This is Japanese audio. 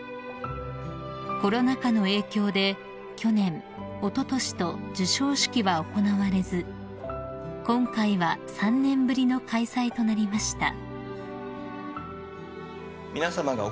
［コロナ禍の影響で去年おととしと授賞式は行われず今回は３年ぶりの開催となりました］